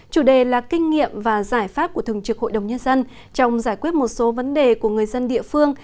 chủ đề là kinh nghiệm và giải pháp của thường trực hội đồng nhân dân trong giải quyết một số vấn đề của người dân địa phương